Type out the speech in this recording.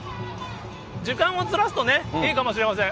時間をずらすとね、いいかもしれません。